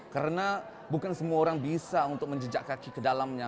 karena bukan semua orang bisa untuk menjejak kaki ke dalamnya